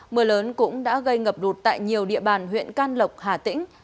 mưa lớn cũng đã gây ngập lụt tại nhiều địa bàn huyện can lộc hà tĩnh